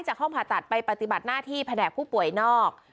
ห้องผ่าตัดไปปฏิบัติหน้าที่แผนกผู้ป่วยนอก